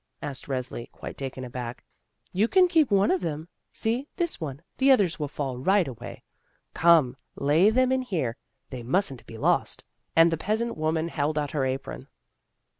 asked Resli, quite taken aback. "You can keep one of them; see, this one, the others will fall right away. Come lay them in here, they mustn't be lost," and the peasant wom an held out her apron.